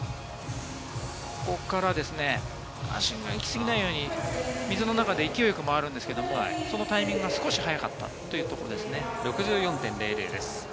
ここから足が行きすぎないように、水の中で勢いよく回るんですけれども、そのタイミングが少し早かったと６４．００です。